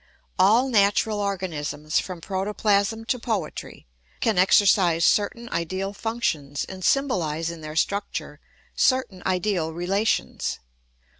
All natural organisms, from protoplasm to poetry, can exercise certain ideal functions and symbolise in their structure certain ideal relations.